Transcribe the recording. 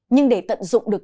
nhưng để tận dụng được